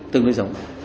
tương đối dụng